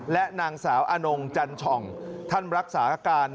และนางสาวอนงจันฉ่องท่านรักษาอาการ